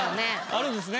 あるんですね。